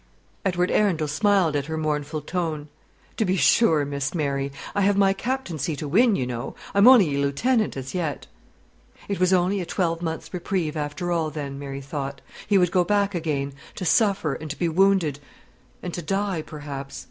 Edward Arundel smiled at her mournful tone. "To be sure, Miss Mary. I have my captaincy to win, you know; I'm only a lieutenant, as yet." It was only a twelvemonth's reprieve, after all, then, Mary thought. He would go back again to suffer, and to be wounded, and to die, perhaps.